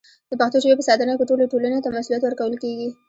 د پښتو ژبې په ساتنه کې ټولې ټولنې ته مسوولیت ورکول کېږي.